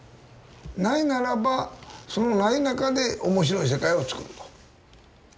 ないならばそのない中で面白い世界をつくると。